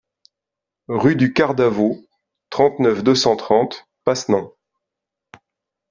Rue du Quart d'Avaux, trente-neuf, deux cent trente Passenans